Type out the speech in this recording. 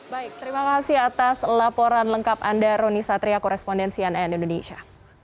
baik terima kasih atas laporan lengkap anda roni satria korespondensi nn indonesia